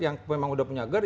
yang memang udah punya gerd